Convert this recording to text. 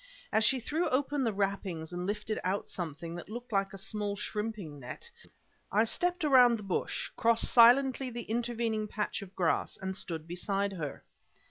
As she threw open the wrappings and lifted out something that looked like a small shrimping net, I stepped around the bush, crossed silently the intervening patch of grass, and stood beside her.